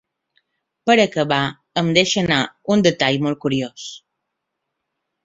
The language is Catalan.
Per acabar, em deixa anar un detall molt curiós.